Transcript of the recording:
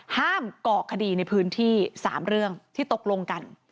ก่อคดีในพื้นที่๓เรื่องที่ตกลงกัน